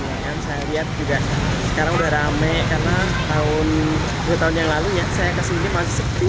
ya kan saya lihat juga sekarang udah rame karena sepuluh tahun yang lalu ya saya kesini masih sepi